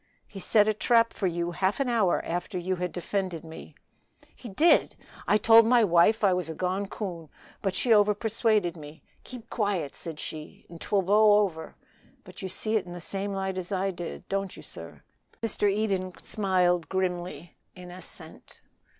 "He set a trap for you half an hour after you had defended me." "He did! I told my wife I was a gone coon, but she overpersuaded me; 'Keep quiet,' said she, 'and 'twill blow over.' But you see it in the same light as I did, don't you, sir?" Mr. Eden smiled grimly in assent.